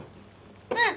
うん！